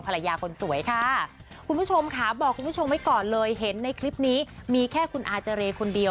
ภรรยาคนสวยค่ะคุณผู้ชมค่ะบอกคุณผู้ชมไว้ก่อนเลยเห็นในคลิปนี้มีแค่คุณอาเจรคนเดียว